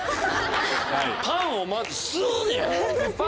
パンをまず吸うんや？